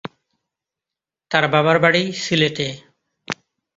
তার বাবার বাড়ি সিলেটে।